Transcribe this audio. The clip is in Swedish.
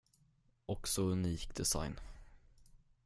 Och så unik design.